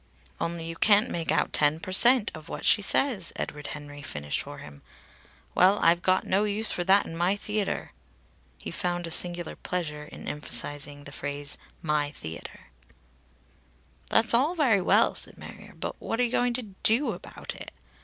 "Only you can't make out ten per cent. of what she says," Edward Henry finished for him. "Well, I've got no use for that in my theatre." He found a singular pleasure in emphasising the phrase, "my theatre." "That's all very well," said Marrier. "But what are you going to do about it?